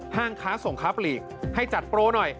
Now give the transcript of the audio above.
ค้าส่งค้าปลีกให้จัดโปรหน่อย